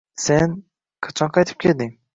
S-sen, qachon qaytib kelding